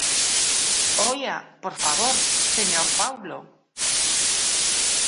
¡Oia, por favor, señor Paulo!